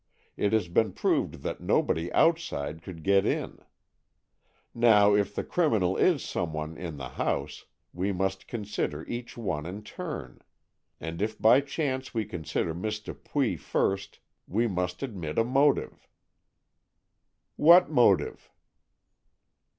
It has been proved that nobody outside could get in. Now if the criminal is some one in the house, we must consider each one in turn. And if by chance we consider Miss Dupuy first, we must admit a motive." "What motive?"